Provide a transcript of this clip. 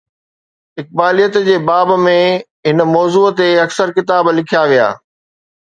اقباليت جي باب ۾ هن موضوع تي اڪثر ڪتاب لکيا ويا.